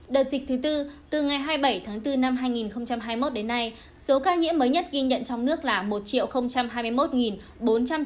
đợt dịch thứ tư từ ngày hai mươi bảy tháng bốn năm hai nghìn hai mươi một đến nay số ca nhiễm mới nhất ghi nhận trong nước là một hai mươi một bốn trăm tám mươi ca